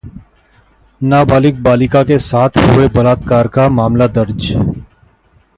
नाबालिग बालिका के साथ हुए बलात्कार का मामला दर्ज